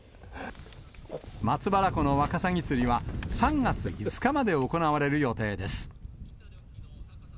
松原湖のワカサギ釣りは３月５日まで行われる予定です。